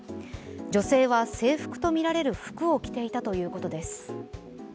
女性は制服とみられる服を着ていたということです。